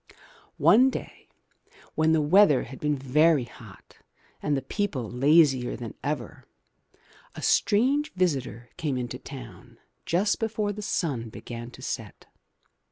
One day when the weather had been very hot and the people lazier than ever, a strange visitor came into town just before the sun began to set.